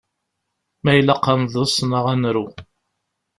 Ma ilaq ad nḍes neɣ ad nru?